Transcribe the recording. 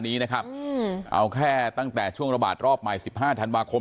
นี้นะครับเอาแค่ตั้งแต่ช่วงระบาดรอบใหม่สิบห้าธันวาคม